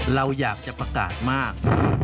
เราอยากจะประกาศมาก